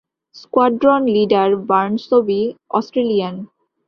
Squadron leader Barnsby Australian.